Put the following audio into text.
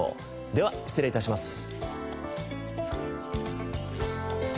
では失礼致します。